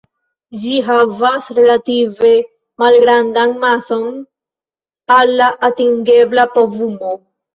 Ĝi havas relative malgrandan mason al la atingebla povumo.